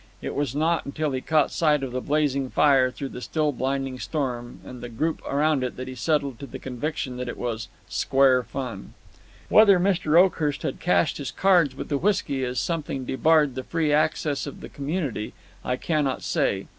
It was not until he caught sight of the blazing fire through the still blinding storm and the group around it that he settled to the conviction that it was "square fun." Whether Mr. Oakhurst had cached his cards with the whisky as something debarred the free access of the community, I cannot say.